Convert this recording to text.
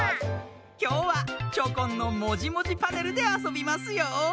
きょうはチョコンの「もじもじパネル」であそびますよ。